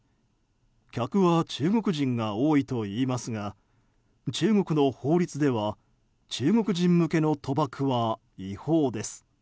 客は中国人が多いといいますが中国の法律では中国人向けの賭博は違法です。